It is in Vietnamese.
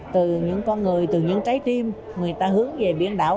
từ những con người từ những trái tim người ta hướng về biển đảo